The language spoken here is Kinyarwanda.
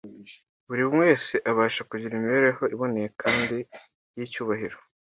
Buri wewe abasha kugira imibereho iboneye kandi yicyubahiro